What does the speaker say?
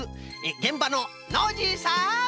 げんばのノージーさん！